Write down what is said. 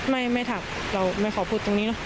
ไม่ทักเราไม่ขอพูดตรงนี้เนอะ